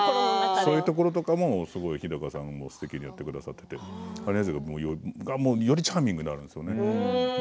そういうところも日高さんはすてきにやってくださっていてアニェーゼはよりチャーミングになっていますよね。